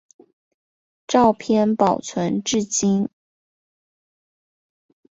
照片保存至今。